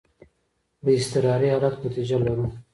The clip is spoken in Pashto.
د اضطراري حالت بودیجه لرو؟